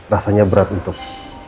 rasanya berat untuk